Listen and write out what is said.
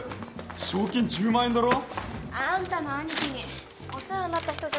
賞金１０万円だろ？あんたのアニキにお世話になった人じゃないの？